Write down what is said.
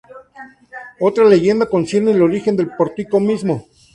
Otra leyenda concierne el origen del pórtico mismo.